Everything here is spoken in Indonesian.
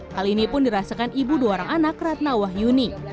hal ini pun dirasakan ibu dua orang anak ratna wahyuni